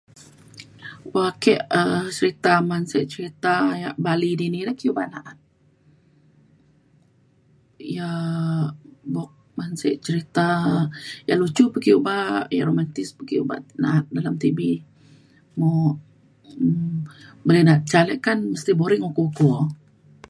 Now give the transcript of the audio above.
bo ake um serita man sek cerita yak bali dini ki ake obak na’at. yak buk man sek cerita yak lucu pa ake obak yak romantis pa ake obak na’at dalem TV mok um ban ida ca ale kan mesti boring [unintelligible]